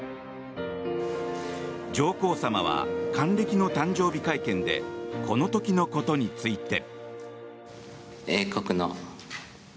上皇さまは還暦の誕生日会見でこの時のことについて。